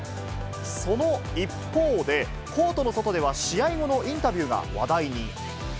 その一方で、コートの外では試合後のインタビューが話題に。